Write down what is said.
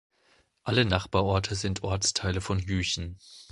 Alle Nachbarorte sind Ortsteile von Jüchen.